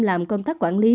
làm công tác quản lý